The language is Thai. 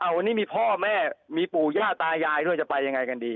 วันนี้มีพ่อแม่มีปู่ย่าตายายด้วยจะไปยังไงกันดี